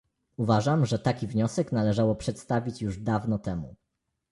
Uważam, że taki wniosek należało przedstawić już dawno temu